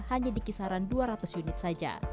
hanya di kisaran dua ratus unit saja